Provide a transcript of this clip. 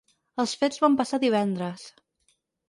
Els fets van passar divendres.